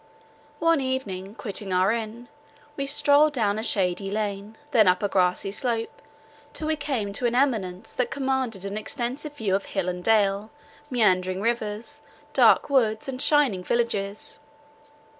One evening, quitting our inn, we strolled down a shady lane, then up a grassy slope, till we came to an eminence, that commanded an extensive view of hill and dale, meandering rivers, dark woods, and shining villages.